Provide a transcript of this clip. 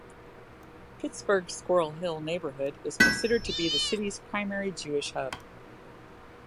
Pittsburgh's Squirrel Hill neighborhood is considered to be the city's primary Jewish hub.